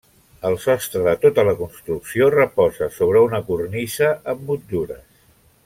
El sostre de tota la construcció reposa sobre una cornisa amb motllures.